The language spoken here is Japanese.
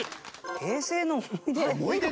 平成の思い出。